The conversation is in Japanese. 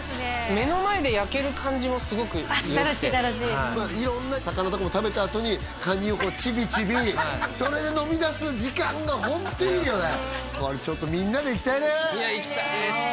目の前で焼ける感じもすごくよくてあっ楽しい楽しいまあ色んな魚とかも食べたあとにカニをこうちびちびそれで飲みだす時間がホントいいよねこれちょっとみんなで行きたいねいや行きたいです